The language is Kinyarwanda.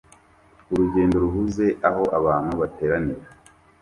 Urugendo ruhuze aho abantu bateranira